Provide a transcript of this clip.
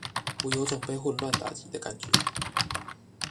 我有種被混亂打擊的感覺